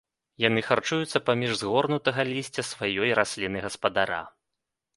Яны харчуюцца паміж згорнутага лісця сваёй расліны-гаспадара.